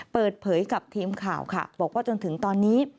เปิดเผยกับทีมข่าวค่ะบอกว่าจนถึงตอนนี้